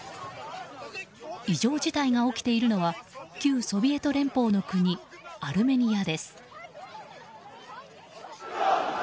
異常事態が起きているのは旧ソビエト連邦の国アルメニアです。